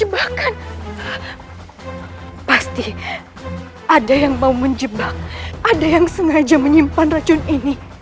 beritahukan kepada rai